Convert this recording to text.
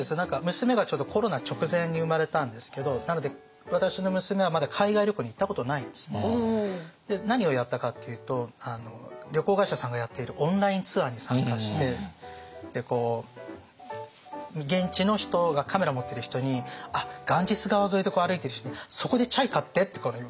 娘がちょうどコロナ直前に生まれたんですけどなので私の娘はまだ海外旅行に行ったことないんですね。何をやったかっていうと旅行会社さんがやっているオンラインツアーに参加して現地の人カメラを持ってる人にガンジス川沿いで歩いている人に「そこでチャイ買って」って。